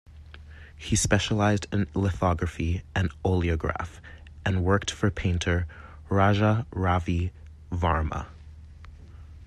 He specialised in lithography and oleograph, and worked for painter Raja Ravi Varma.